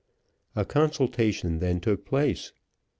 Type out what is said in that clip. A consultation then took place.